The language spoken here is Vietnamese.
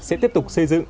sẽ tiếp tục xây dựng